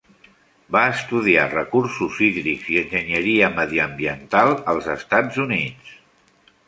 Va estudiar Recursos Hídrics i Enginyeria Mediambiental als Estats Units.